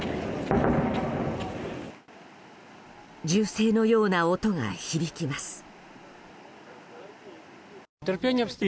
銃声のような音が響きます。